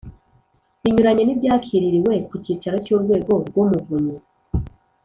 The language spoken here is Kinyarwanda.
binyuranye n ibyakiririwe ku cyicaro cy Urwego rw Umuvunyi